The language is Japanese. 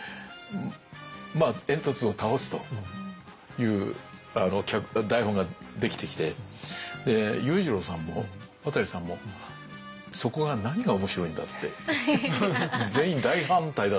まあ煙突を倒すという台本ができてきて裕次郎さんも渡さんもそこが全員大反対だったんですよ。